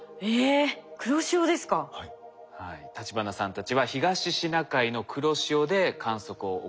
立花さんたちは東シナ海の黒潮で観測を行いました。